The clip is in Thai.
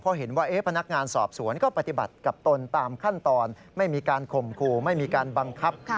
เพราะเห็นว่าพนักงานสอบสวนก็ปฏิบัติกับตนตามขั้นตอนไม่มีการข่มขู่ไม่มีการบังคับ